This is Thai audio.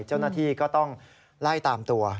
เจ้าหน้าที่ก็ต้องไล่ตามตัว